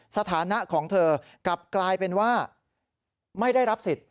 สถานะของเธอกลับกลายเป็นว่าไม่ได้รับสิทธิ์